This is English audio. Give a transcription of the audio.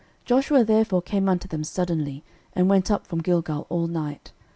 06:010:009 Joshua therefore came unto them suddenly, and went up from Gilgal all night.